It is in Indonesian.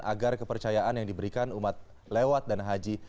agar kepercayaan yang diberikan umat lewat dana haji